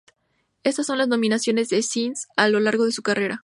Estas son las nominaciones de Sins a lo largo de su carrera.